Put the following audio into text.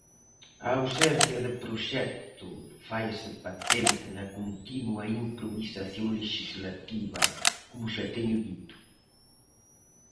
A ausencia de proxecto faise patente na continua improvisación lexislativa, como xa teño dito.